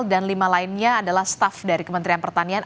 dan lima lainnya adalah staf dari kementerian pertanian